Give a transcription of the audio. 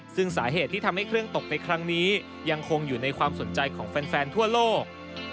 ซึ่งสาเหตุที่ทำให้เครื่องตกในครั้งนี้ยังคงอยู่ในความสนใจของแฟนทั่วโลก